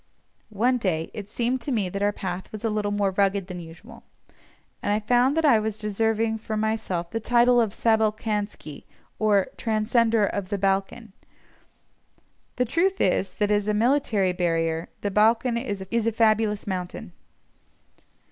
One day it seemed to me that our path was a little more rugged than usual, and I found that I was deserving for myself the title of Sabalkansky, or "Transcender of the Balcan." The truth is, that, as a military barrier, the Balcan is a fabulous mountain.